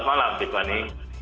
selamat malam dipani